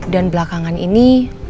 dan belakangan ini